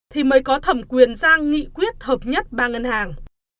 thì mới có thẩm quyền ra nghị quyết hợp nhất ba ngân hàng